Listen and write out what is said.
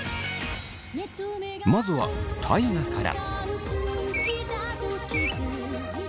まずは大我から。